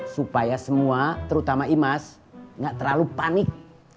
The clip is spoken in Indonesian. supaya semua terutama imas nggak terlalu panik